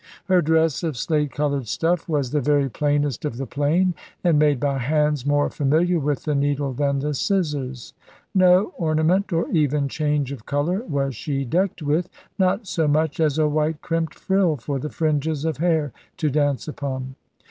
Her dress of slate coloured stuff was the very plainest of the plain, and made by hands more familiar with the needle than the scissors. No ornament, or even change of colour, was she decked with, not so much as a white crimped frill for the fringes of hair to dance upon.